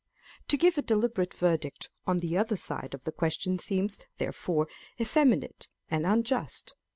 To give a deliberate verdict on the other side of the question seems, therefore, effeminate and unjust.